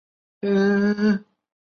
经边防检查站查验后放行。